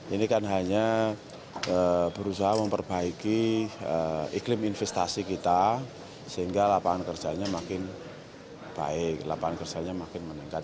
ini kan hanya berusaha memperbaiki iklim investasi kita sehingga lapangan kerjanya makin baik lapangan kerjanya makin meningkat